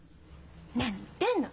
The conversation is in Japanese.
何言ってんの！